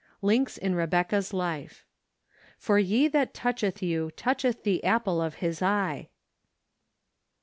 Links in Rebecca's Life. " For he that touclieth you toucheth the apple of his eye."